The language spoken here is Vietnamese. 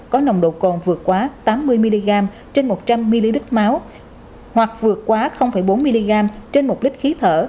có nồng độ cồn vượt quá tám mươi mg trên một trăm linh ml máu hoặc vượt quá bốn mg trên một lít khí thở